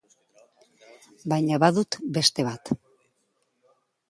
Baina badut beste bat.